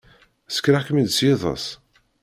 Ssekreɣ-kem-id seg yiḍes?